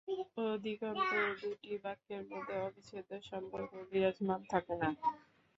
অধিকন্তু দুটি বাক্যের মধ্যে অবিচ্ছেদ্য সম্পর্কও বিরাজমান থাকে না।